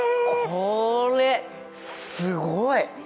これ、すごい。